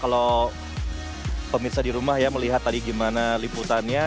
kalau pemirsa di rumah ya melihat tadi gimana liputannya